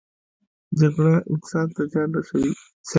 جګړه انسان ته زیان رسوي